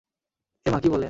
এমা, কী বলেন!